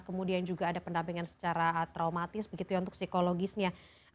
kemudian juga ada pendampingan secara traumatis begitu ya untuk psikologisnya